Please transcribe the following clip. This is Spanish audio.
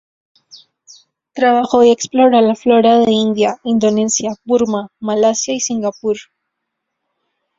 Trabajó y exploró la flora de India, Indonesia, Burma, Malasia y Singapur.